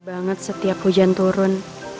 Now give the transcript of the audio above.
banget setiap hujan turun